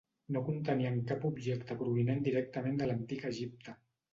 No contenien cap objecte provinent directament de l'Antic Egipte.